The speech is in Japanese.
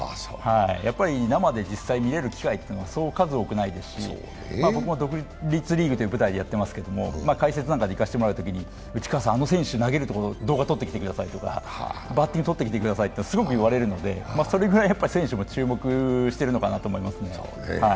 やっぱり生で実際見られる機会はそう数多くないですし僕も独立リーグという舞台でやってますけど、解説などをするとき内川さん、あの選手の投げるところ動画撮ってきてくださいとか、バッティング撮ってきてくださいというのはすごく言われるので、それぐらい選手も注目してるのかなと思いますね。